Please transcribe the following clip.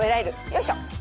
よいしょ！